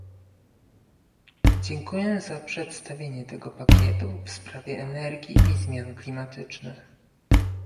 Dziękuję za przedstawienie tego pakietu w sprawie energii i zmian klimatycznych